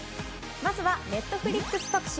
まずはＮｅｔｆｌｉｘ特集。